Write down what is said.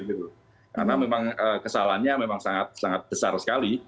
karena memang kesalahannya memang sangat besar sekali